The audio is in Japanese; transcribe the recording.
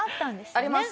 あります。